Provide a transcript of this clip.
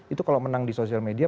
itu kalau menang di sosial media